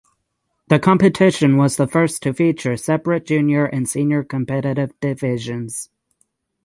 The competition was the first to feature separate junior and senior competitive divisions.